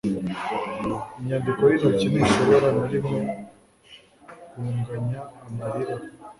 inyandiko y'intoki ntishobora na rimwe kunganya amarira